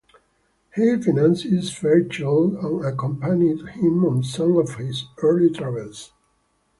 He financed Fairchild and accompanied him on some of his early travels.